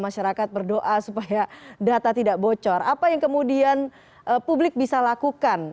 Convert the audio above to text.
masyarakat berdoa supaya data tidak bocor apa yang kemudian publik bisa lakukan